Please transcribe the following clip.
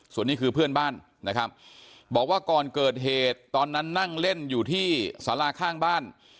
ส่วนนี้คือเพื่อนบ้านนะครับบอกว่าก่อนเกิดเหตุตอนนั้นนั่งเล่นอยู่ที่สาราข้างบ้าน